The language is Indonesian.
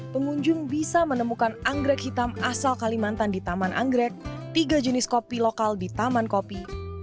pengunjung bisa menemukan anggrek hitam asal kalimantan di taman anggrek tiga jenis kopi lokal di taman kopi